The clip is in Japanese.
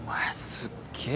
すっげえ